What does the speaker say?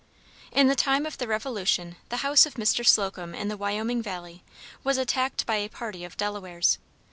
In the time of the Revolution the house of Mr. Slocum in the Wyoming valley, was attacked by a party of Delawares.